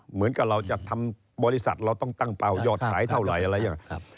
เหมือนกับเราจะทำบริษัทเราต้องตั้งเป้ายอดขายเท่าไหร่อะไรอย่างนี้